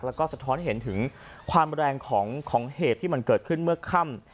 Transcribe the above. แล้วก็สะท้อนเห็นถึงความแรงของเหตุที่มันเกิดขึ้นเมื่อค่ำ